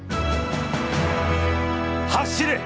走れ！